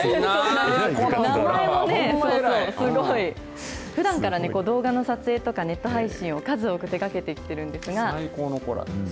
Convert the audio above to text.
偉いな、すごい。ふだんから動画の撮影とかネット配信を数多く手がけてきてるんですが。